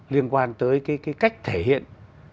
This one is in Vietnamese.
liên quan tới cái cách thể hiện